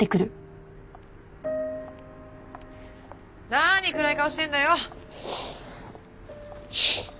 何暗い顔してんだよ。